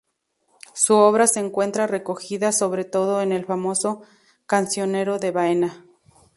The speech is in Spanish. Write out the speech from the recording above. Su obra se encuentra recogida sobre todo en el famoso "Cancionero de Baena".